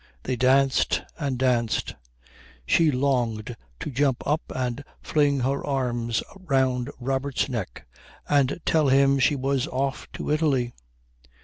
They danced and danced. She longed to jump up and fling her arms round Robert's neck and tell him she was off to Italy.